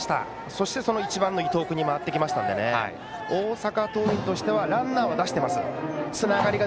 そして１番の伊藤君に回ってきましたので大阪桐蔭としてはランナーは出しています。